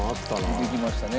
出てきましたね。